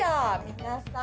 皆さん。